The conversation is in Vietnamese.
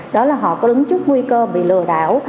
đó là họ có đứng trước nguy cơ bị lừa đảo